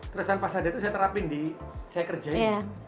terus tanpa sadar itu saya terapin di saya kerjain